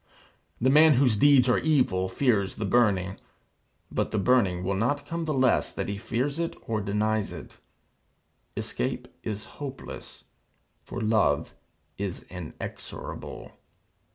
The man whose deeds are evil, fears the burning. But the burning will not come the less that he fears it or denies it. Escape is hopeless. For Love is inexorable.